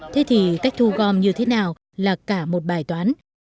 thế thì cách thu gom như thế nào là cả một bài toán